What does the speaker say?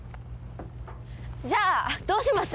じゃあどうします？